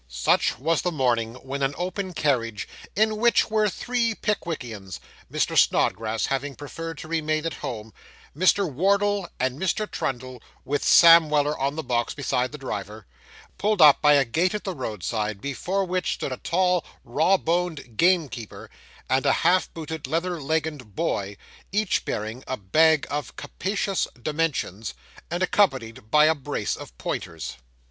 Such was the morning, when an open carriage, in which were three Pickwickians (Mr. Snodgrass having preferred to remain at home), Mr. Wardle, and Mr. Trundle, with Sam Weller on the box beside the driver, pulled up by a gate at the roadside, before which stood a tall, raw boned gamekeeper, and a half booted, leather legginged boy, each bearing a bag of capacious dimensions, and accompanied by a brace of pointers.